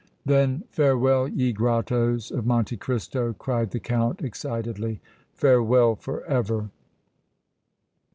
"Then farewell, ye grottoes of Monte Cristo!" cried the Count, excitedly. "Farewell forever!"